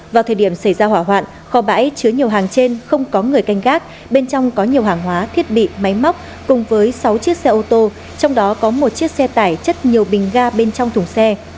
vào thời điểm xảy ra hỏa hoạn kho bãi chứa nhiều hàng trên không có người canh gác bên trong có nhiều hàng hóa thiết bị máy móc cùng với sáu chiếc xe ô tô trong đó có một chiếc xe tải chất nhiều bình ga bên trong thùng xe